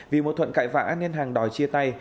vì một thuận cãi vã nên hằng đòi chia tay